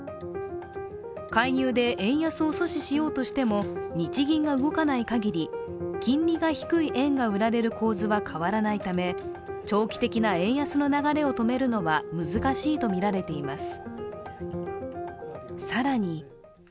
介入で円安を阻止しようとしても日銀が動かない限り、金利が低い円が売られる構図は変わらないため長期的な円安の流れを止めるのは難しいとみられています。